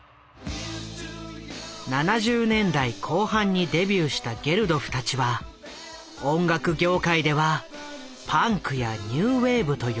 ７０年代後半にデビューしたゲルドフたちは音楽業界では「パンク」や「ニューウェーブ」と呼ばれる。